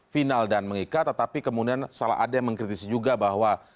final dan mengikat tetapi kemudian salah ada yang mengkritisi juga bahwa